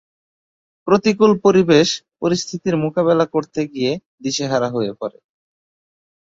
প্রতিকূল পরিবেশ পরিস্থিতির মোকাবেলা করতে গিয়ে দিশেহারা হয়ে পড়ে।